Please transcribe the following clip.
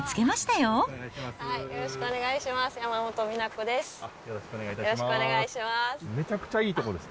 よろしくお願いします。